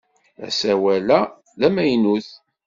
Asawal-a d amaynut!